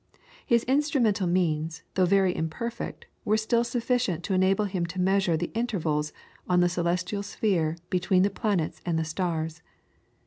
His instrumental means, though very imperfect, were still sufficient to enable him to measure the intervals on the celestial sphere between the planets and the stars.